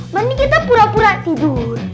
mending kita pura pura tidur